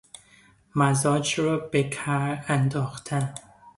مزاج را بکار انداختن